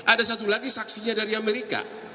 ada satu lagi saksinya dari amerika